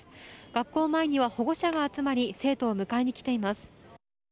学校前には保護者が集まり生徒を迎えに来ています。